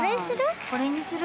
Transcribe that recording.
これにする？